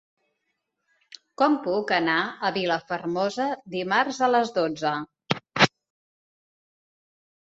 Com puc anar a Vilafermosa dimarts a les dotze?